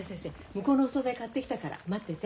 向こうのお総菜買ってきたから待ってて。